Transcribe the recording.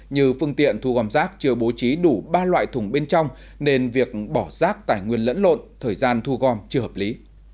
như phương tiện thu gom rác chưa bố trí đủ ba loại thùng bên trong nên việc bỏ rác tài nguyên lẫn lộn thời gian thu gom chưa hợp lý